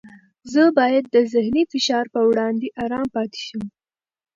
زه باید د ذهني فشار په وړاندې ارام پاتې شم.